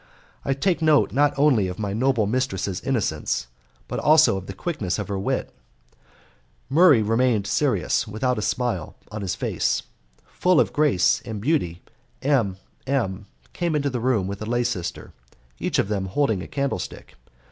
I take note not only of my noble mistress's innocence, but also of the quickness of her wit. Murray remained serious, without a smile on his face. Full of grace and beauty, M M came into the room with a lay sister, each of them holding a candlestick.